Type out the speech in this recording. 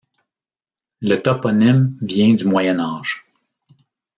Le toponyme vient du Moyen Âge.